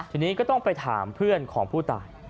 ทีนี้ก็ต้องไปถามเพื่อนของผู้ตาย